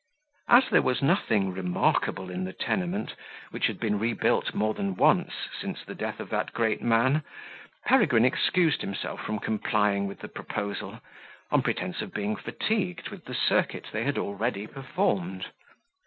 As there was nothing remarkable in the tenement, which had been rebuilt more than once since the death of that great man, Peregrine excused himself from complying with the proposal, on pretence of being fatigued with the circuit they had already performed.